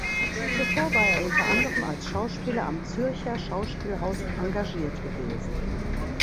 Zuvor war er unter anderem als Schauspieler am Zürcher Schauspielhaus engagiert gewesen.